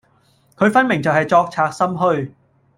佢分明就係作賊心虛